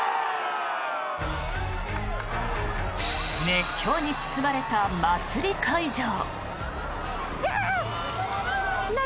熱狂に包まれた祭り会場。